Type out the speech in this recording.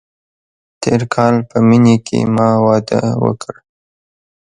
تېر کال په مني کې ما واده وکړ.